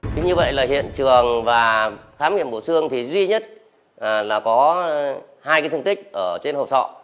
thế như vậy là hiện trường và khám nghiệm mổ xương thì duy nhất là có hai cái thương tích ở trên hộp sọ